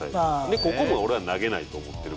ここで俺は投げないと思ってる。